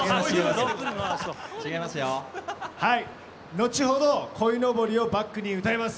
後ほど鯉のぼりをバックに歌います。